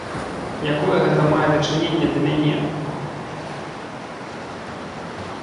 Якое гэта мае дачыненне да мяне?